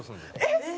えっ！